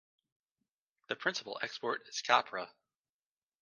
The principal export is copra.